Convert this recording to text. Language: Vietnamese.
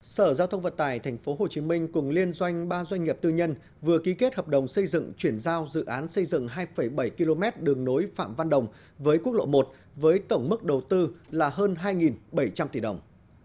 sở giao thông vận tài tp hcm cùng liên doanh ba doanh nghiệp tư nhân vừa ký kết hợp đồng xây dựng chuyển giao dự án xây dựng hai bảy km đường nối phạm văn đồng với quốc lộ một với tổng mức đầu tư là hơn hai bảy trăm linh tỷ đồng